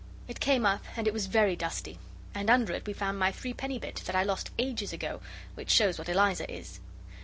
It came up, and it was very dusty and under it we found my threepenny bit that I lost ages ago, which shows what Eliza is.